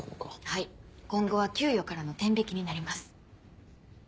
はい今後は給与からの天引きになります。